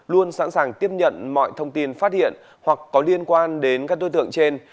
luôn sẵn sàng tiếp nhận mọi thông tin phát hiện hoặc có liên quan đến các đối tượng trên